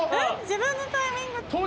自分のタイミング？